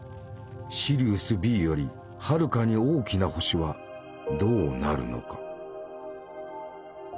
シリウスＢよりはるかに大きな星はどうなるのか？